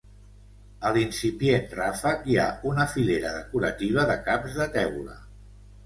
A l'incipient ràfec, hi ha una filera decorativa de caps de teula.